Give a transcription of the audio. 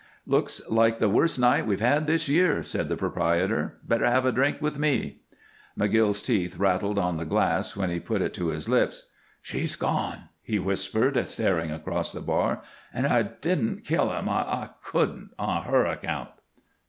"Looks like the worst night we've had this year," said the proprietor. "Better have a drink with me." McGill's teeth rattled on the glass when he put it to his lips. "She's gone!" he whispered, staring across the bar, "and I didn't kill him. I couldn't on her account."